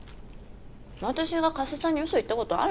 私が加瀬さんに嘘言ったことある？